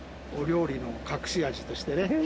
お料理の隠し味としてね。